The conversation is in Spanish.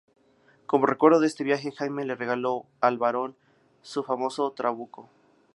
Como recuerdo de este viaje, Jaime le regaló al Barón su famoso trabuco.